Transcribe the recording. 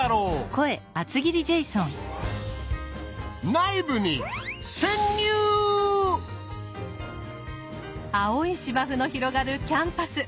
内部に青い芝生の広がるキャンパス。